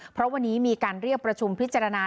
เพราะวันนี้มีการเรียกประชุมพิจารณา